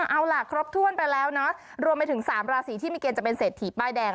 เอาล่ะครบถ้วนไปแล้วเนาะรวมไปถึง๓ราศีที่มีเกณฑ์จะเป็นเศรษฐีป้ายแดง